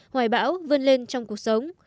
hoài bão vươn lên trong cuộc sống